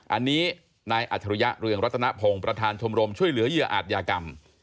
อันนี้นายอัจฉริยะเรืองรัตนพงศ์ประธานชมรมช่วยเหลือเหยื่ออาจยากรรม